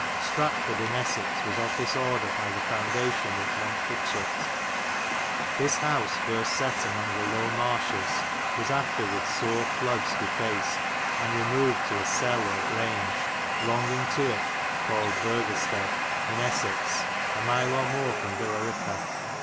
Stratforde in Essex was of this ordre by the foundatyon of Montfichet. This howse first sett emonge the low marsches was aftar with sore fludes defacyd, and remevid to a celle, or graunge, longynge to it caullyd Burgestede'*^ in Estsex, a mile or more from Billirica.